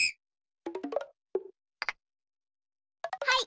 はい。